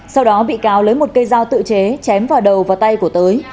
sau đó bị cáo lấy một cây dao tự chế chém vào đầu và tay của tới